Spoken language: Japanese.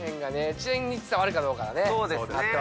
知念に伝わるかどうかだね。